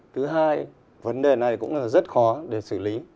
thứ hai vấn đề này cũng là rất khó để xử lý